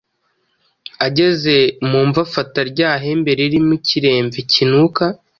ageze mu mva afata rya hembe ririmo ikiremve kinuka